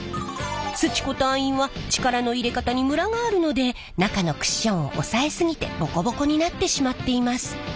すち子隊員は力の入れ方にムラがあるので中のクッションを押さえ過ぎてボコボコになってしまっています。